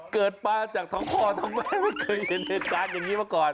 เกิดป้าจากท้องพ่อท้องแม่ว่าเกิดเย็นเหตุการณ์อย่างงี้มาก่อน